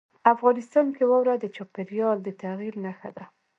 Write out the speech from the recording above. افغانستان کې واوره د چاپېریال د تغیر نښه ده.